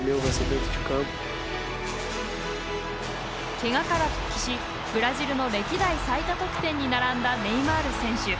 けがから復帰しブラジルの歴代最多得点に並んだネイマール選手。